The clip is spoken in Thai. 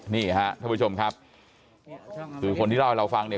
นี่ฮะท่านผู้ชมครับคือคนที่เล่าให้เราฟังเนี่ย